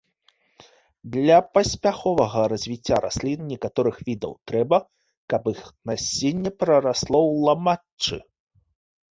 Для паспяховага развіцця раслін некаторых відаў трэба, каб іх насенне прарасло ў ламаччы.